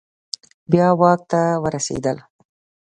بیا واک ته ورسیدل